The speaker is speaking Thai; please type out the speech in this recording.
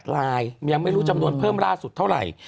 ลายยังไม่รู้จำนวนเพิ่มล่าสุดเท่าไหร่